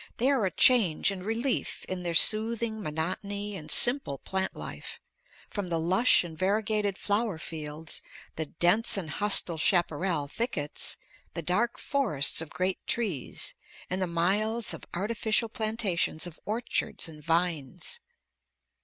They are a change and relief, in their soothing monotony and simple plant life, from the lush and variegated flower fields, the dense and hostile chaparral thickets, the dark forests of great trees, and the miles of artificial plantations of orchards and vines.